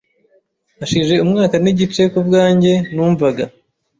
Hashije umwaka n’igice ku bwanjye numvaga